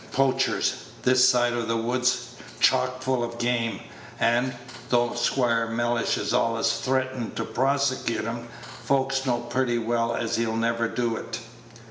"Poachers! This side of the wood's chock full of game; and, though Squire Mellish is allus threatenin' to prosecute 'em, folks know pretty well as he'll never do it."